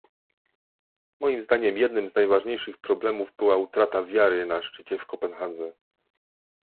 Moim zdaniem jednym z najważniejszych problemów była utrata wiary na szczycie w Kopenhadze